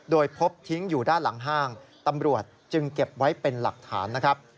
โดยพบทิ้งอยู่ด้านหลังห้างตำรวจจึงเก็บไว้เป็นหลักฐานนะครับ